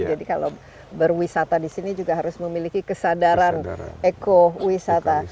jadi kalau berwisata di sini juga harus memiliki kesadaran eko wisata